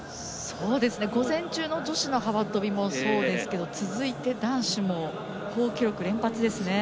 午前中の女子の幅跳びもそうですけど続いて男子も好記録連発ですね。